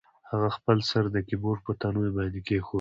هغه خپل سر د کیبورډ په تڼیو باندې کیښود